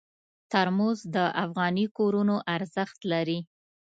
ترموز د افغاني کورونو ارزښت لري.